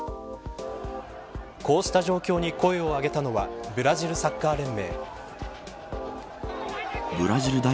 こうした状況に声を上げたのはブラジルサッカー連盟。